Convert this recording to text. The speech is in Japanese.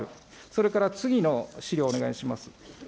それから次の資料お願いします。